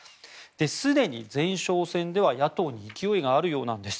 すでに前哨戦では野党に勢いがあるそうです。